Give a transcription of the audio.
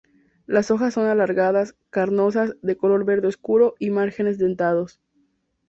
Las hojas son alargadas, carnosas, de color verde oscuro y márgenes dentados.